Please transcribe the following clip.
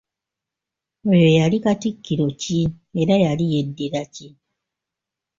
Oyo yali Katikkiro ki era yali yeddira ki?